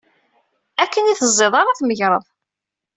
Akken i teẓẓiḍ ara d-tmegreḍ.